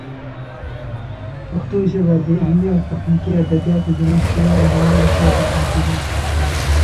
پښتو ژبه د علمي او تخنیکي ادبیاتو د نشتوالي له امله شاته پاتې ده.